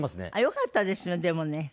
よかったですねでもね。